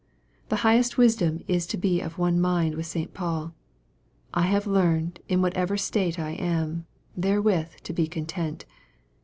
The highest wisdom is to be of one mind with St. Paul, " I have learned, in whatsoever state I am, therewith to be content."